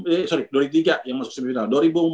dua ribu lima eh sorry dua ribu tiga yang masuk semifinal